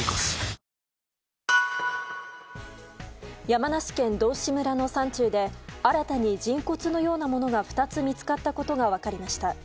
山梨県道志村の山中で新たに人骨のようなものが２つ見つかったことが分かりました。